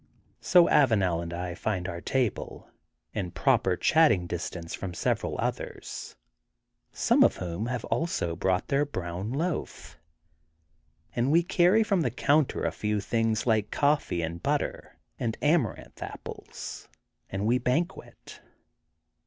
So Avanel and I find our table, in proper chatting distance from several others, some of whom have also brought their brown loaf. And we carry from the counter a few things like coffee and butter and Amaranth Apples and we banquet.